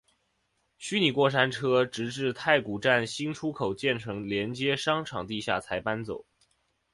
虚拟过山车直至太古站新出口建成连接商场地下才搬走。